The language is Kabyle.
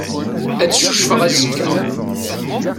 Ad cucfeɣ azekka.